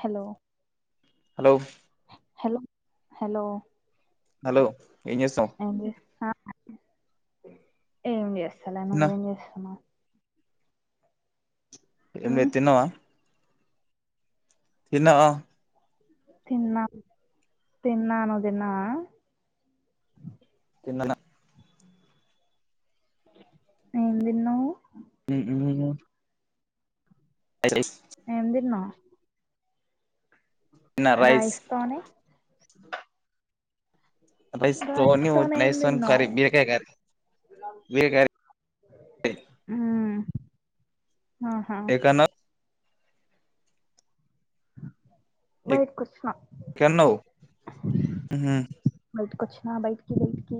Hello hello hello hello hello ఏ చేసావ్ ఏమి చే అసలను ఎం చేస్తున్నా ఇది మ్మ్ తన్నావా తిన్నావా తిన్నా తిన్నా నువ్వుతిన్నావా తిన్నన ఏం తిన్నావు హు హ్మ్ ఎం తిన్నావు రైస్ రాయిస్థానే రైస్ తోని తోనే ఏం తిన్నావ్ [unintelligible] [unintelligible] హ్మ్ ఆహా ఎక్కన్నావ్ అ కన్నవు హ్మ్ హ బయటకి బయటకి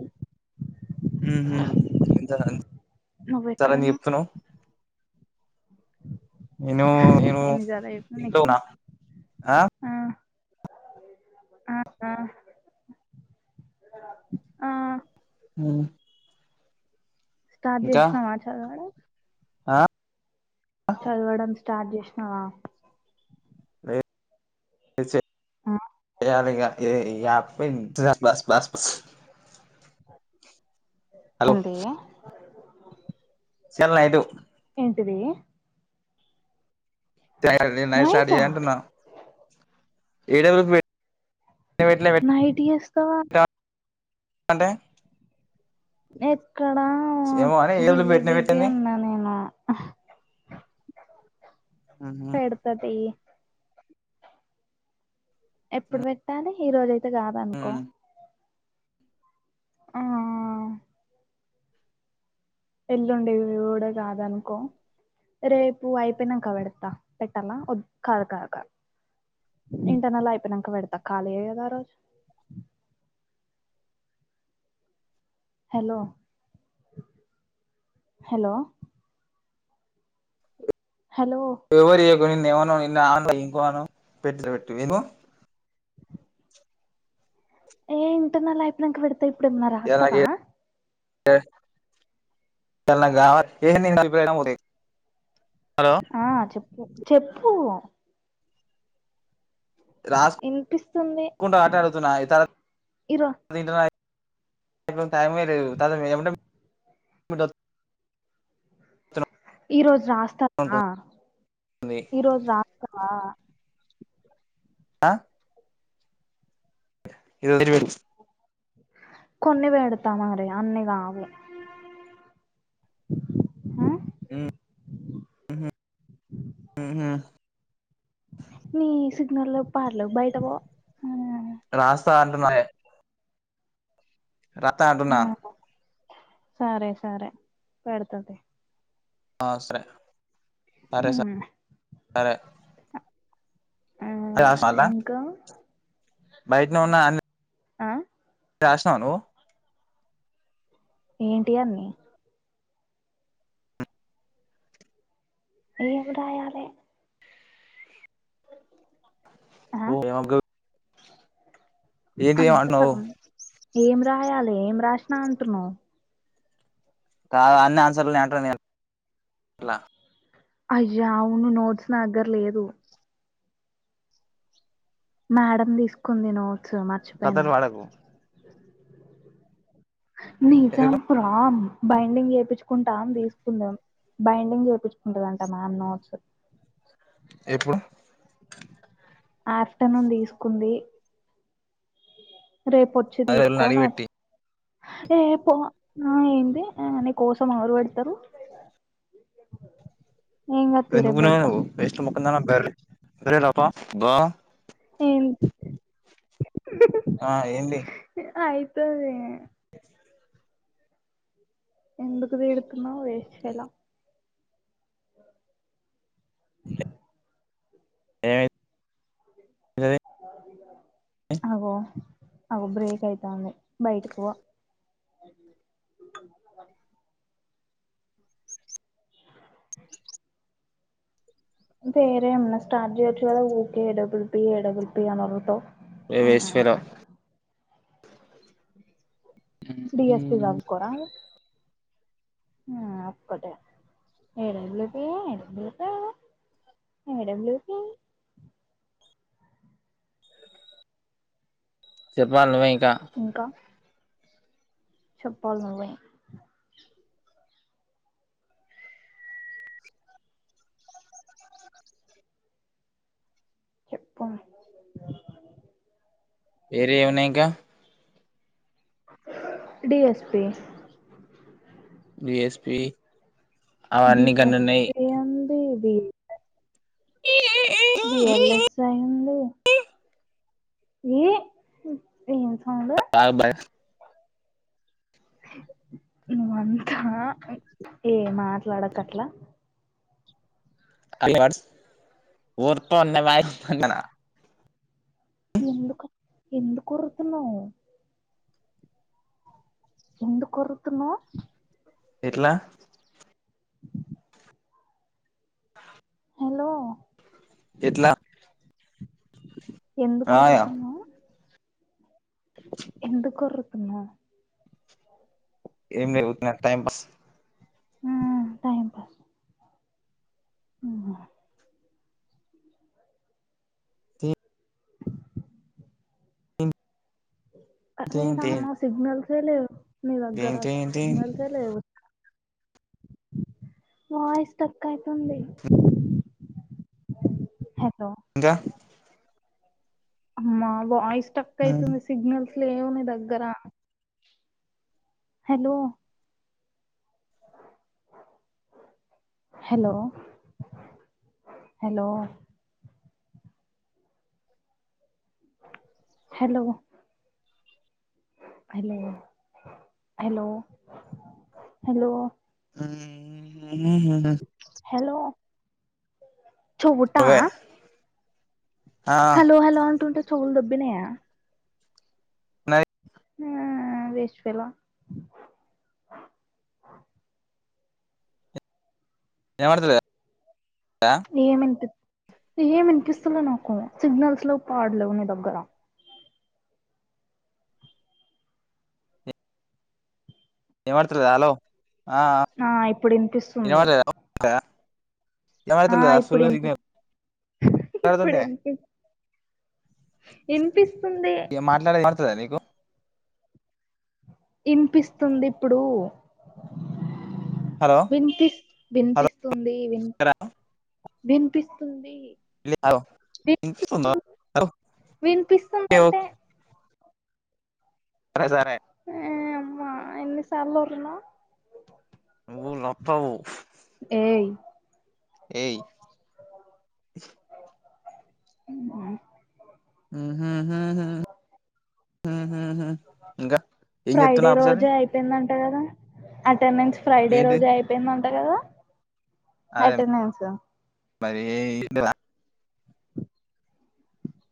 హ్మ్ హ్మ్ సరా నీ నువ్వెక్కడున్నావ్ చెప్తున్నావు నేను నేను ఎన్నిసార్లు చెప్పిన ఇంట్లో నీకు ఉన్నా ఆ అ ఆ ఆ ఉమ్ స్టార్ట్ చేసినవా చదవడం ఆ చదవడం స్టార్ట్ చేసినవా లే [unintelligible] ఆ ఇయాలేగా [unintelligible] [unintelligible] బస్ బస్ బస్ [inaudible] అంతేగా చల్ నైటు ఏంటిదీ [unintelligible] నేను నైట్ స్టార్ట్ నైటా చెయ్ అంటున్నా ఏడ [unintelligible] నైటి ఎస్ తవా పెట్టిన అంటే ఎక్కడా ఏమో అని ఏబులు బిజీ పెట్టిన బిజీ పెట్టింది ఉన్నా నేను ఆహా పెడుతా తీ ఎప్పుడు పెట్టాలి ఈ రోజ్ అయి తే కాదు అనుకో ఎల్లుండేవి కూడ కాదనుకో, రేపు అయిపోయినంక పెడతా, పెట్టాల వద్దు కాదు కాదు కాదు, ఇంటర్నల్ అయిపోయినంక పెడతా ఖాళీయే కదా ఆ రోజు. హలో హలో హలో కొనింది ఏమన పోయిందో [unintelligible] [unintelligible] ఏ ఇంటర్నల్ అయిపోయినంక పెడు తే ఇప్పుడేమో రాస్తవా ఏ తెల్లగా ఏంది [unintelligible] ఆ చెప్పు చెప్పు ఇనిపిస్తుంది [unintelligible] [unintelligible] ఇరోజు ఈరో టైమే లేదు కాదు ఏమంటే [unintelligible] ఈరోజ్ రాస్తాారా ఉంటుంది ఈ రోజు రాస్తావా ఆ ఇది వదిలి కొన్ని పెడతామరి అన్ని కావు హు, మ్మ్ ఉహ్మ్ ఉహు నీ సిగ్నల్లేవ్ పాడ్లేవ్ బయట పో హ్మ్ రాస్తాంటున్నాయే రాత్త ఆ, అంటున్నా సరే సరే పడతుది ఆ సరే అరే స సరే ఆ అ సాల ఇంకా బైట ను ఉన్నా అ ఆ రాషినవ నువ్వు ఏంటి అన్ని? ఏం రాయలే ఆ ఓ ఏ [unintelligible] గు అంత ఏమంటున్నావు సగం. ఏమ్ రాయాలి. ఏం రాసినా అంటున్నావ్? కా అన్ని ఆన్సర్లు నీ దాంట్ల అయ్యా అవును నోడ్స్ నా దగ్గర లేదు మేడం తీసుకుంది నో సో మార్చిపోయినా. కథలు వాడకు నిజం ఎందుకు ప్రమ్ బైండింగ్ చేయిపించ్కుంటం తీసుకుందాం బైండింగ్ చేయించుకుంటదంటా మ్యామ్ నోట్స్ ఎప్పుడు? ఆఫ్టర్నూన్ తీసుకుంది. రేపు వచ్చి అదే వాళ్ళని తీసుకో న అడిగిపెట్టి ఏ పో అ ఎంది అ కోసం ఆరు పెడతారు [inaudible] తీ ఎందుకు రేపు ఉనావు ఎ పెడతా నువ్వు వేస్ట్ మొ బర బరలపా బా ఏం ఆ ఏంది అయితది ఎందుకు తీడుతున్నా వేస్ట్ ఫెలో ఏ అగొ అగో బ్రేక్ అయితాంది. బయటికి పో. [inaudible] వేరే ఏమైనా స్టార్ట్ చేయొచ్చు కదా ఊకే డబ్బులు పీ డబ్బులు పీ అని మొరుగుతావ్ ఏ వేస్ట్ ఫెల్లో డిఎస్పి సదువుకోరా ఆ అక్కట ఏడెబ్ పడె ఏడ ప చెప్పలీ నువ్వే ఇంకా చెప్పలి నువ్వే చెప్ప ఏరియా ఉన్నాయ్ ఇంకా D S P D S P D S P అంది ది [unintelligible] బిఎల్ఎస్ అయ్యింది ఏ ఎం కాలు నువ్ అన్ ఏ మాట్లాడకు అట్ల హల్లవర్స్ ఓడతా ఉన్న మ్యాచ్ [inaudible] ఎందుకు ఎందుకు ఒర్రుగుతున్నావ్ ఎందుకు ఒర్రుతున్నావ్ ఎట్లా హలో ఎట్లా ఎందుకు ఆ ఒర్రుతున్నావ్ ఎందు కొర్రు తున్నా ఏం లేదు ఊకేనే టైం పాస్ ఊ టైం పాస్ [unintelligible] ఎం హరే రామా సిగ్నల్ కొను మీ దగ్గర సిగ్నల్సే లేవు వాయిస్ స్టక్ ఐతుంది ఇంకా అమ్మ వాయిస్ స్ట్రక్ అయితుంది సిగ్ల్స్స్ట్రిక్ లేవు నీ దగ్గర hello hello hello hello hello hello hello hello చెవుట నువ్వే ఆ హలో హలో అంటుంటే చెవులు దొబ్బినాయ. నా ఆ వేస్టఫెలో, వినపడతలేదా. ఏం వినిపి ఏం వినిపిస్తులే నాకు సిగ్నల్స్ లేవు. పాడలేవు నీ దగ్గర ఇన పడత లేదు హలో ఆ ఆ ఇప్పుడు ఇన వినిపిస్తుంది పడలేదా. ఆ ఇప్పుడు వినిపి [unintelligible] వినిపిస్తూ ఏం మాట్లాడేది వినపడతాలేదా నీకు ఇనిపిస్తుంది ఇప్పుడు హలో విన్పిస్తూ హలో విన్పిస్తూ స్తుంది. వినిపిస్తుంది. విన్ వినిపిస్తుందంటే [unintelligible] సరే సరే ఎ అమ్మా ఎన్ని సార్లు ఓర్వినవ్. నువ్వు లప్పవు. ఎయ్ ఎయి ఉ ఉం ఫ్రైడే అప్సరీ రోజే అయిపోయింద. అట కదా. మీన్స్ ఫ్రాడే ఏంటి రోజే అయిపోయిద ఎంట కదా అటెండన్స్. ఏయీ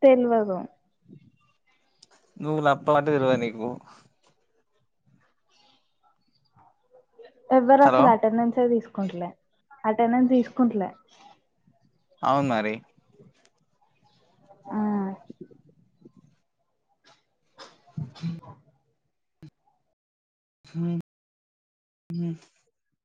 తెల్వదు. నువ్వు లప్ప అంటే తెలువది నీకు ఎవ్వరు హలో అసలు అటెండెన్స్ ఎ తీసుకో కుంటలే అటెండెన్స్ తీసుకుంటలే అవును మరి ఆ హ [inaudible]